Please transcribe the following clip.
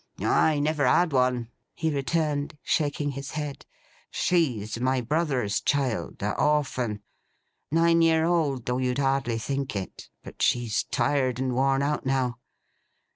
'I never had one,' he returned, shaking his head. 'She's my brother's child: a orphan. Nine year old, though you'd hardly think it; but she's tired and worn out now.